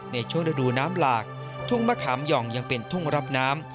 ในช่วงฤดูน้ำหลากทุ่งมะขามหย่องยังเป็นทุ่งรับน้ำ